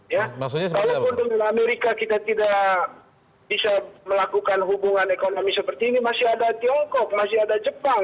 walaupun dengan amerika kita tidak bisa melakukan hubungan ekonomi seperti ini masih ada tiongkok masih ada jepang